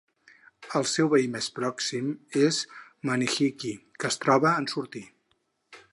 El seu veí més pròxim és Manihiki, que es troba en sortir.